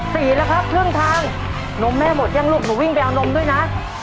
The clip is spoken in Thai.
สี่แล้วครับครึ่งทางนมแม่หมดยังลูกหนูวิ่งไปเอานมด้วยนะ